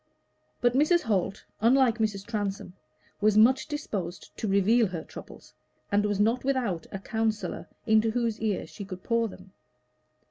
But Mrs. Holt, unlike Mrs. Transome, was much disposed to reveal her troubles, and was not without a counsellor into whose ear she could pour them.